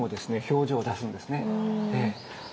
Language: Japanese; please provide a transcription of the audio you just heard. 表情を出すんですねええ。